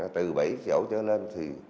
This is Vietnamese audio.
từ bảy chỗ trở lên